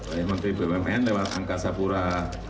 oleh menteri bumn lewat angkasa pura